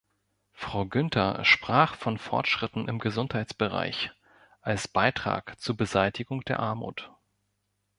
Frau Günther sprach von Fortschritten im Gesundheitsbereich als Beitrag zur Beseitigung der Armut.